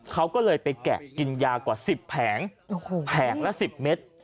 เขาก็เลยไปแกะกินยากว่า๑๐แผงแผงละ๑๐เมตร